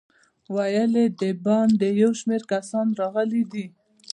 ویل یې د باندې یو شمېر کسان راغلي دي.